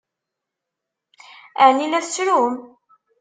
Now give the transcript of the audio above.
Ɛni la tettrum?